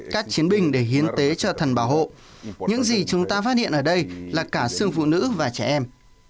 các chiến binh để hiến tế cho thần bảo hộ những gì chúng ta phát hiện ở đây là cả xương phụ nữ và trẻ em